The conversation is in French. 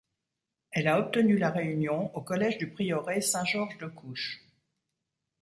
Elle a obtenu la réunion au collège du prieuré Saint-Georges de Couches.